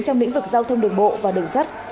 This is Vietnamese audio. trong lĩnh vực giao thông đường bộ và đường sắt